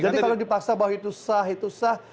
jadi kalau dipaksa bahwa itu sah itu sah